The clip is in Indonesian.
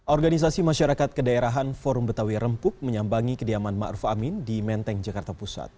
organisasi masyarakat kedaerahan forum betawi rempuk menyambangi kediaman ma'ruf amin di menteng jakarta pusat